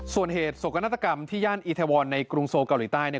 ส่วนเหตุโศกนาฏกรรมที่ย่านอีทวรในกรุงโซเกาหลีใต้เนี่ย